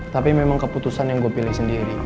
tapi memang keputusan yang gue pilih sendiri